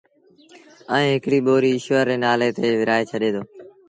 ائيٚݩ هڪڙيٚ ٻوريٚ ايٚشور ري نآلي تي ورهآئي ڇڏي دو